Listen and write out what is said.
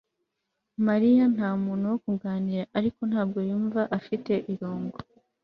mariya nta muntu wo kuganira, ariko ntabwo yumva afite irungu